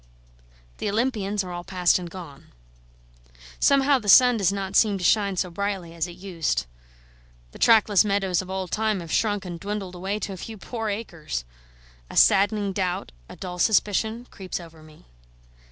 The Olympians are all past and gone. Somehow the sun does not seem to shine so brightly as it used; the trackless meadows of old time have shrunk and dwindled away to a few poor acres. A saddening doubt, a dull suspicion, creeps over me.